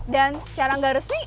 dan secara gak resmi